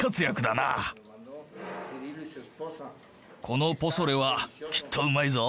このポソレはきっとうまいぞ！